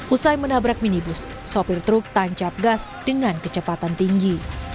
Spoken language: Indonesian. usai menabrak minibus sopir truk tancap gas dengan kecepatan tinggi